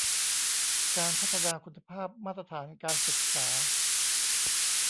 การพัฒนาคุณภาพมาตรฐานการศึกษา